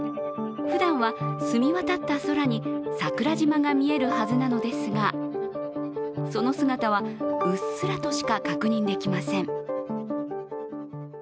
ふだんは澄み渡った空に桜島が見えるはずなのですがその姿はうっすらとしか確認できません。